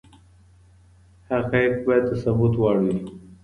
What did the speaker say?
حقايق بايد د ثبوت وړ وي.